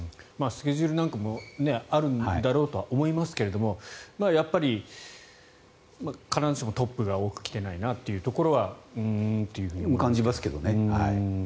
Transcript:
スケジュールなんかもあるんだと思いますがやっぱり必ずしもトップが多く来ていないなというのはふーんというふうに感じますが。